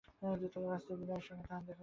রাস্তায় বিনয়ের সঙ্গে তাহার দেখা হইল।